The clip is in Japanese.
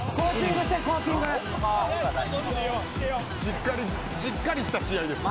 しっかりしっかりした試合です。